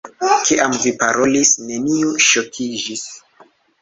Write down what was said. Kiam vi parolis, neniu ŝokiĝis.